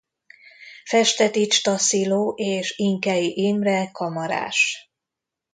Festetics Tasziló és Inkey Imre kamarás.